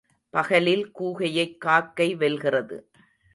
பகலில் கூகையைக் காக்கை வெல்கிறது.